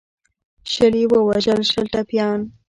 شل یې ووژل شل ټپیان.